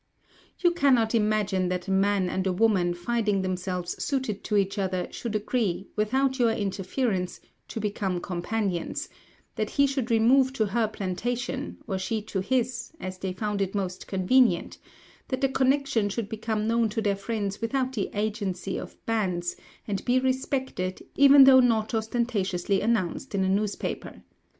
"You cannot imagine that a man and a woman, finding themselves suited to each other, should agree, without your interference, to become companions; that he should remove to her plantation, or she to his, as they found it most convenient; that the connection should become known to their friends without the agency of banns, and be respected, even though not ostentatiously announced in a newspaper.